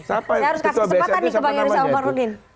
saya harus kasih kesempatan nih ke bang yoris abangrudin